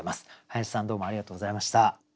林さんどうもありがとうございました。